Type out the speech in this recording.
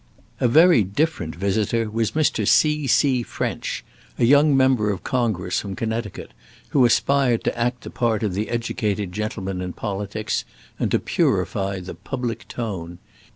A very different visitor was Mr. C. C. French, a young member of Congress from Connecticut, who aspired to act the part of the educated gentleman in politics, and to purify the public tone.